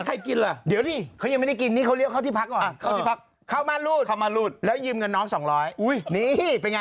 ตากล้องโอ้โฮเดินตบหัวตัวเองลงเฮ้ย